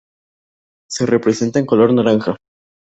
Se representa en color naranja.